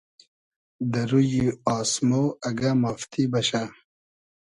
دۂ رویی آسمۉ اگۂ مافتی بئشۂ